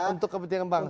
untuk kepentingan bangsa